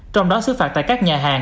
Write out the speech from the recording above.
trong đó xử phạt tại các nhà hàng